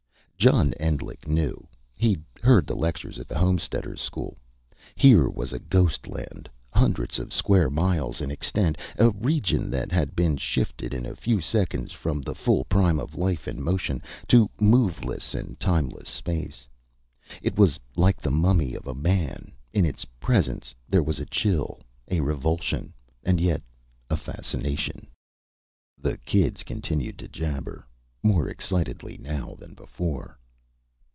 John Endlich knew. He'd heard the lectures at the Homesteaders' School. Here was a ghost land, hundreds of square miles in extent a region that had been shifted in a few seconds, from the full prime of life and motion, to moveless and timeless silence. It was like the mummy of a man. In its presence there was a chill, a revulsion, and yet a fascination. The kids continued to jabber more excitedly now than before.